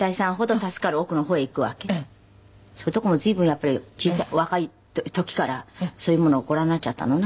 そういうところも随分やっぱり若い時からそういうものをご覧になっちゃったのね。